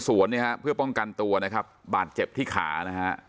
เนี่ยฮะเพื่อป้องกันตัวนะครับบาดเจ็บที่ขานะฮะ